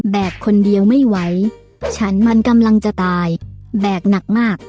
คนเดียวไม่ไหวฉันมันกำลังจะตายแบกหนักมาก